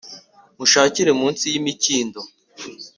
munshakire munsi y'imikindo.